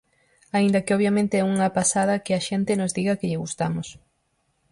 Aínda que obviamente é unha pasada que a xente nos diga que lle gustamos.